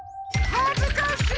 はずかしい！